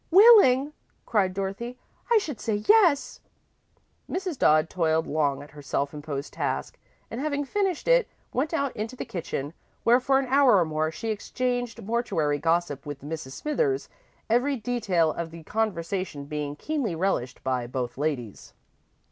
"Willing!" cried Dorothy, "I should say yes!" Mrs. Dodd toiled long at her self imposed task, and, having finished it, went out into the kitchen, where for an hour or more she exchanged mortuary gossip with Mrs. Smithers, every detail of the conversation being keenly relished by both ladies.